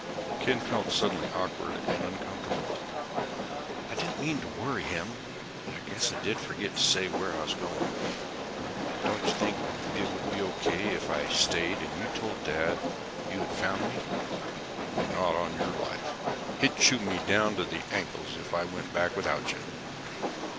Ken felt suddenly awkward and uncomfortable. "I didn't mean to worry him, but I guess I did forget to say where I was going. Don't you think it would be okay if I stayed and you told Dad you had found me?" "Not on your life! He'd chew me down to the ankles if I went back without you!"